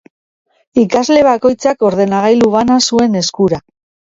Ikasle bakoitzak ordenagailu bana zuen eskura.